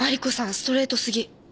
ストレートすぎ。